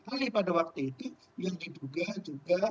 halipada waktu itu yang diduga juga